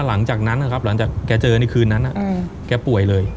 หลังจากนั้นนะครับหลังจากแกเจอในคืนนั้นแกป่วยเลย